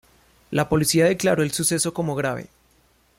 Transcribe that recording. La policía declaró el suceso como grave.